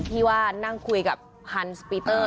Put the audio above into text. ที่ว่านั่งคุยกับฮันสปีเตอร์